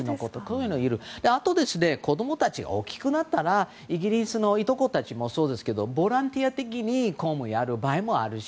あと、子供たちが大きくなったらイギリスのいとこたちもそうですけどボランティア的に公務をやる場合もあるし